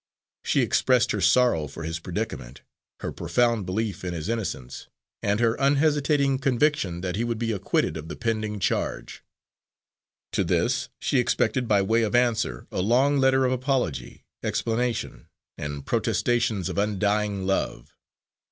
She expressed her sorrow for his predicament, her profound belief in his innocence, and her unhesitating conviction that he would be acquitted of the pending charge. To this she expected by way of answer a long letter of apology, explanation, and protestations of undying love.